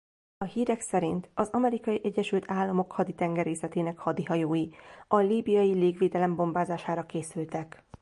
A hírek szerint az Amerikai Egyesült Államok Haditengerészetének hadihajói a líbiai légvédelem bombázására készültek.